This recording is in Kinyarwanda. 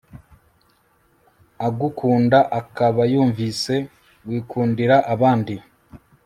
agukunda akabayumvise wikundira abandi